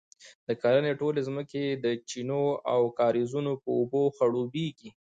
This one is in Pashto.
د کرنې ټولې ځمکې یې د چینو او کاریزونو په اوبو خړوبیږي،